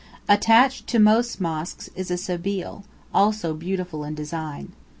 Attached to most mosques is a sebīl, also beautiful in design.